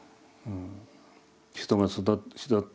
人が育っていく。